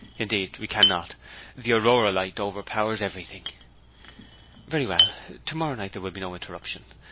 Indeed, we cannot; the Aurora light overpowers everything.' 'Very well. To morrow night there will be no interruption.